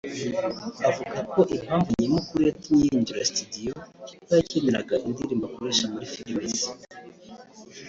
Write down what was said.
Avuga ko impamvu nyamukuru yatumye yinjira studio ko yakeneraga indirimbo akoresha muri filme ze